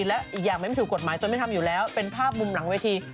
และอีกอย่างมันไม่ถูกกฎหมายตนไม่ทำอยู่แล้วเป็นภาพมุมหลังเวที